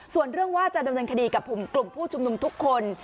ส่วนเรื่องว่าจะดำเนินคดีกับกลุ่มผู้ชุมนุมทุกคน